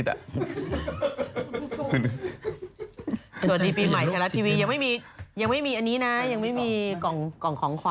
สวัสดีปีใหม่ไทยรัฐทีวียังไม่มียังไม่มีอันนี้นะยังไม่มีกล่องของคอ